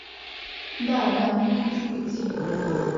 Да да, мне лучше уйти.